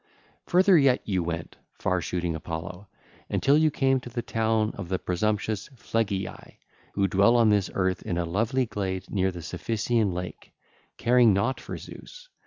(ll. 277 286) Further yet you went, far shooting Apollo, until you came to the town of the presumptuous Phlegyae who dwell on this earth in a lovely glade near the Cephisian lake, caring not for Zeus.